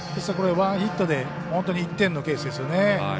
ワンヒットで本当に１点のケースですよね。